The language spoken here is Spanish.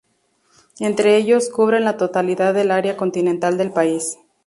Entre ellos, cubren la totalidad del área continental del país.